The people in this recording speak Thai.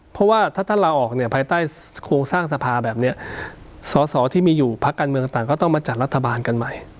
เพราะว่าถ้าท่านลาออกเนี่ยภายใต้โครงสร้างสภาแบบนี้สอสอที่มีอยู่พักการเมืองต่างก็ต้องมาจัดรัฐบาลกันใหม่